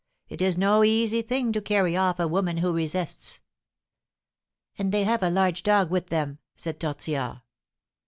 It is no easy thing to carry off a woman who resists." "And they have a large dog with them," said Tortillard.